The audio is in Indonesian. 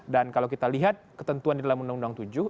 dan kalau kita lihat ketentuan di dalam undang undang tujuh